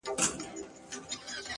عاجزي د شخصیت ښکلا ده!